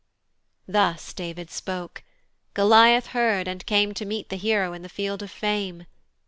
Thus David spoke; Goliath heard and came To meet the hero in the field of fame.